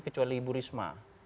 kecuali ibu risma